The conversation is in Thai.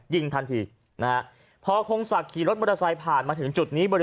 ยิงทันทีนะพอคงสักขี่รถมอเตอร์ไซค์ผ่านมาถึงจุดนี้